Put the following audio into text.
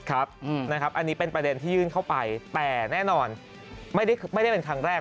อันนี้เป็นประเด็นที่ยื่นเข้าไปแต่แน่นอนไม่ได้เป็นครั้งแรก